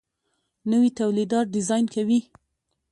نوي تولیدات ډیزاین کوي.